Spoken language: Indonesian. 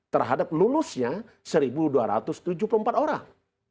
terhadap lulusnya satu dua ratus tujuh puluh empat orang